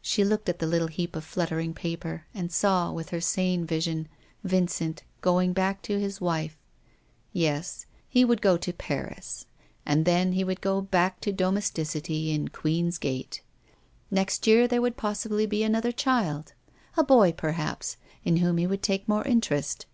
She looked at the little heap of fluttering paper, and saw, with her sane vision, Vincent going back to his wife. Yes, he would go to Paris, and then he would go 320 THE 8T0RY OF A MODERN WOMAN. back to domesticity in Queen's Gate. Next year there would possibly be another child — a boy, perhaps, in whom he would take more interest.